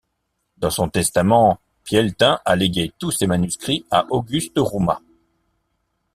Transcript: Dans son testament Pieltain a légué tous ses manuscrits à Auguste Rouma.